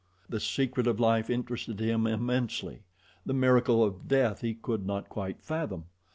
The secret of life interested him immensely. The miracle of death he could not quite fathom.